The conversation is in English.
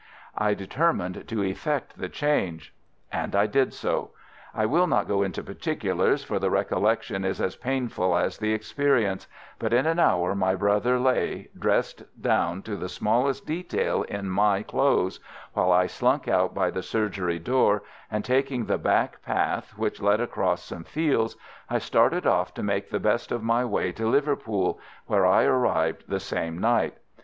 I determined to effect the change. "And I did so. I will not go into particulars, for the recollection is as painful as the experience; but in an hour my brother lay, dressed down to the smallest detail in my clothes, while I slunk out by the surgery door, and taking the back path which led across some fields, I started off to make the best of my way to Liverpool, where I arrived the same night.